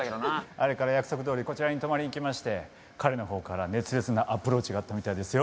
あれから約束どおりこちらに泊まりに来まして彼のほうから熱烈なアプローチがあったみたいですよ。